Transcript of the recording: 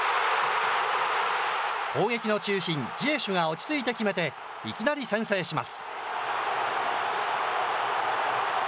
攻撃の中心、ジエシュが落ち着いて決めていきなり先制します。